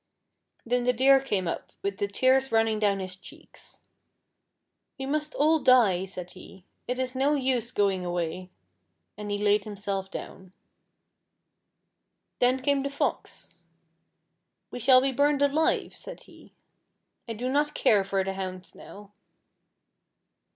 Then the Deer came up with the tears running down his cheeks. "We must all die," said he; "it is no use going away." And he laid himself down. Then came the Fox. " We shall be burned alive," said he. " I do not care for the hounds now."